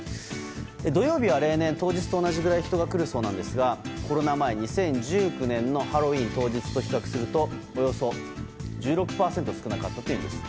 土曜日は例年、当日と同じくらい人が来るそうなんですがコロナ前、２０１９年のハロウィーン当日と比較するとおよそ１６％少なかったといいます。